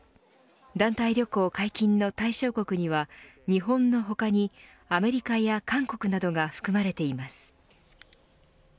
団体旅行解禁の対象国には日本の他に、アメリカや韓国などが含まれています。